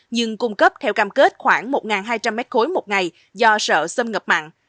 nhưng cung cấp theo cam kết khoảng một hai trăm linh m ba một ngày do sợ sâm ngập mặn